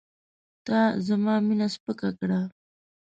تا زما مینه سپکه کړه.